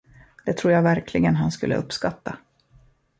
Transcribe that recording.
Det tror jag verkligen han skulle uppskatta!